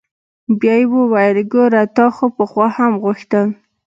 بيا يې وويل ګوره تا خو پخوا هم غوښتل.